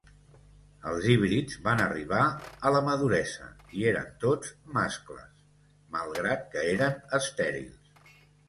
Els híbrids van arribar a la maduresa i eren tots mascles, malgrat que eren estèrils.